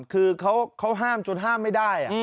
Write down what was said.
คือเขาห้ามจนห้ามไม่ได้